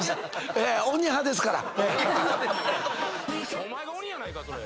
鬼派ですから。